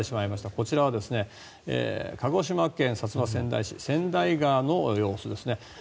こちらは鹿児島県薩摩川内市川内川の様子ですね。